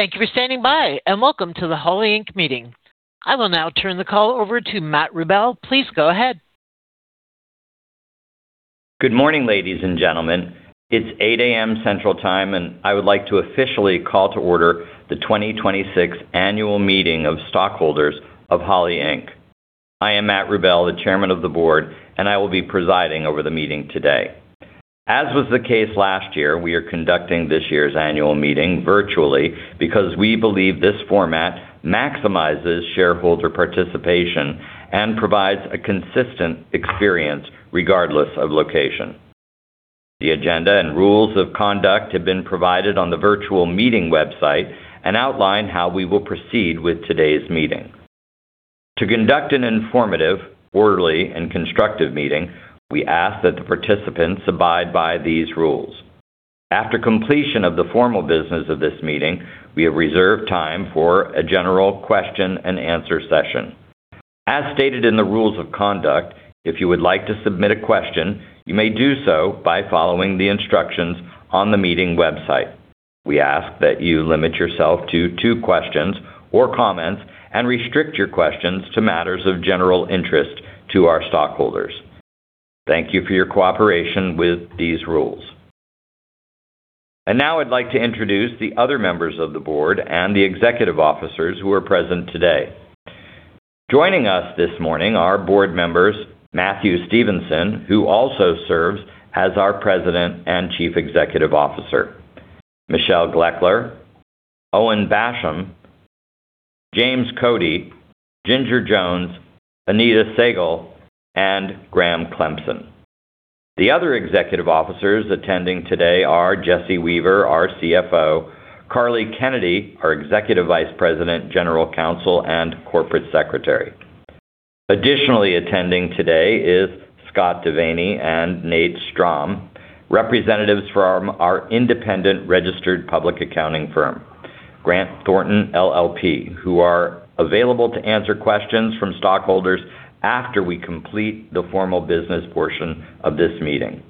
Thank you for standing by, and welcome to the Holley Inc. Meeting. I will now turn the call over to Matt Rubel. Please go ahead. Good morning, ladies and gentlemen. It's 8:00 A.M. Central Time. I would like to officially call to order the 2026 annual meeting of stockholders of Holley Inc. I am Matt Rubel, the Chairman of the Board. I will be presiding over the meeting today. As was the case last year, we are conducting this year's annual meeting virtually because we believe this format maximizes shareholder participation and provides a consistent experience regardless of location. The agenda and rules of conduct have been provided on the virtual meeting website and outline how we will proceed with today's meeting. To conduct an informative, orderly, and constructive meeting, we ask that the participants abide by these rules. After completion of the formal business of this meeting, we have reserved time for a general question-and-answer session. As stated in the rules of conduct, if you would like to submit a question, you may do so by following the instructions on the meeting website. We ask that you limit yourself to two questions or comments and restrict your questions to matters of general interest to our stockholders. Thank you for your cooperation with these rules. Now I'd like to introduce the other members of the Board and the Executive Officers who are present today. Joining us this morning are Board members Matthew Stevenson, who also serves as our President and Chief Executive Officer, Michelle Gloeckler, Owen Basham, James Coady, Ginger Jones, Anita Sehgal, and Graham Clempson. The other Executive Officers attending today are Jesse Weaver, our CFO, Carly Kennedy, our Executive Vice President, General Counsel, and Corporate Secretary. Additionally attending today is Scott Devaney and Nate Strom, representatives from our independent registered public accounting firm, Grant Thornton LLP, who are available to answer questions from stockholders after we complete the formal business portion of this meeting.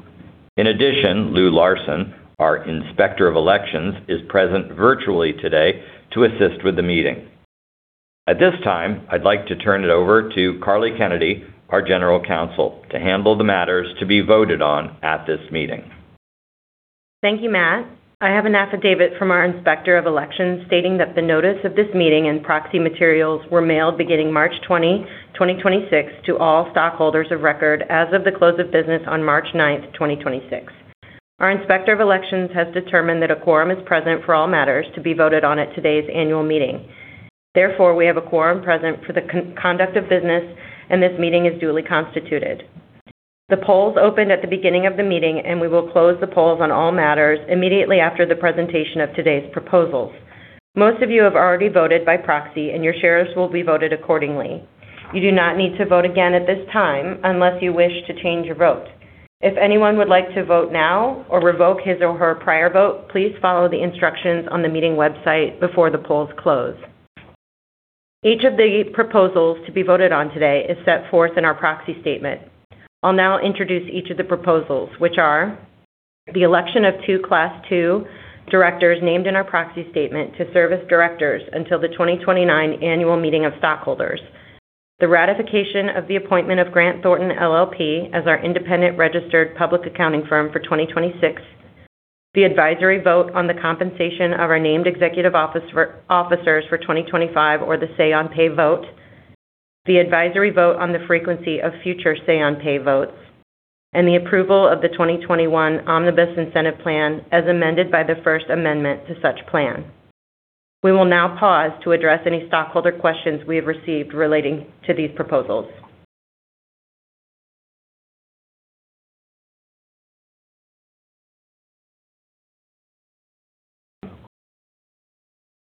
Lou Larson, our Inspector of Elections, is present virtually today to assist with the meeting. At this time, I'd like to turn it over to Carly Kennedy, our General Counsel, to handle the matters to be voted on at this meeting. Thank you, Matt. I have an affidavit from our Inspector of Elections stating that the notice of this meeting and proxy materials were mailed beginning March 20, 2026 to all stockholders of record as of the close of business on March 9th, 2026. Our Inspector of Elections has determined that a quorum is present for all matters to be voted on at today's annual meeting. We have a quorum present for the conduct of business, and this meeting is duly constituted. The polls opened at the beginning of the meeting, and we will close the polls on all matters immediately after the presentation of today's proposals. Most of you have already voted by proxy, and your shares will be voted accordingly. You do not need to vote again at this time unless you wish to change your vote. If anyone would like to vote now or revoke his or her prior vote, please follow the instructions on the meeting website before the polls close. Each of the proposals to be voted on today is set forth in our proxy statement. I'll now introduce each of the proposals, which are the election of two Class II Directors named in our proxy statement to serve as Directors until the 2029 annual meeting of stockholders, the ratification of the appointment of Grant Thornton LLP as our independent registered public accounting firm for 2026, the advisory vote on the compensation of our named executive officers for 2025 or the say-on-pay vote, the advisory vote on the frequency of future say-on-pay votes, and the approval of the 2021 Omnibus Incentive Plan as amended by the first amendment to such plan. We will now pause to address any stockholder questions we have received relating to these proposals.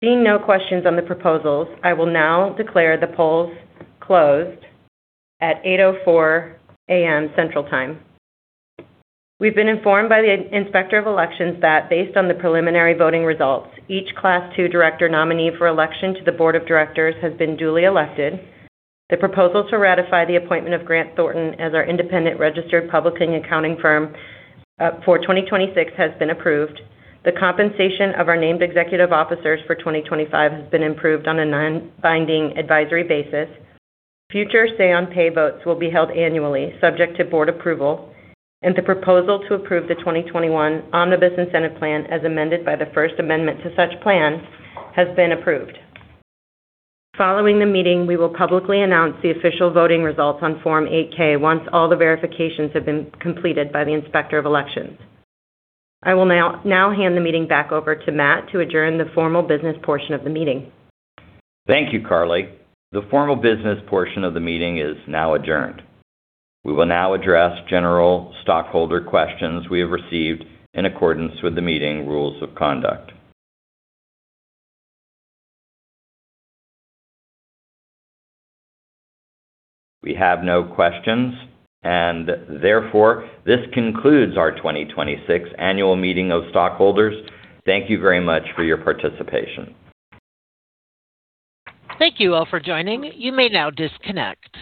Seeing no questions on the proposals, I will now declare the polls closed at 8:04 A.M. Central Time. We've been informed by the Inspector of Elections that based on the preliminary voting results, each Class II Director nominee for election to the Board of Directors has been duly elected. The proposal to ratify the appointment of Grant Thornton as our independent registered public accounting firm for 2026 has been approved. The compensation of our named executive officers for 2025 has been approved on a non-binding advisory basis. Future say-on-pay votes will be held annually, subject to board approval. The proposal to approve the 2021 Omnibus Incentive Plan as amended by the first amendment to such plan has been approved. Following the meeting, we will publicly announce the official voting results on Form 8-K once all the verifications have been completed by the Inspector of Elections. I will now hand the meeting back over to Matt to adjourn the formal business portion of the meeting. Thank you, Carly. The formal business portion of the meeting is now adjourned. We will now address general stockholder questions we have received in accordance with the meeting rules of conduct. We have no questions. Therefore, this concludes our 2026 annual meeting of stockholders. Thank you very much for your participation. Thank you all for joining. You may now disconnect.